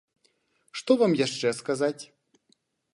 Што вам яшчэ сказаць?